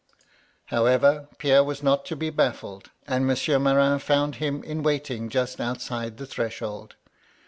However, Pierre was not to be bafl3ed, and Monsieur Morin found him in waiting just outside the threshold.